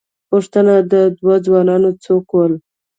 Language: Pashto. پوښتنه، دا دوه ځوانان څوک ول؟